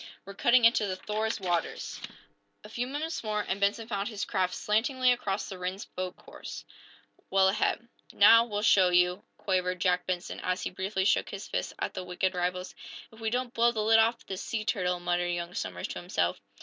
"We're cutting into the 'Thor's' water." A few moments more, and Benson found his craft slantingly across the Rhinds boat's course, well ahead. "Now, we'll show you!" quavered Jack Benson, as he briefly shook his fist back at the wicked rivals. "If we don't blow the lid off this sea turtle!" muttered young Somers, to himself.